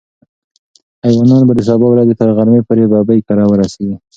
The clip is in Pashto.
ایوانان به د سبا ورځې تر غرمې پورې ببۍ کره ورسېږي.